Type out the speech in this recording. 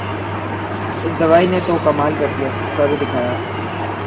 اس دوائی نے تو کمال کر دکھایا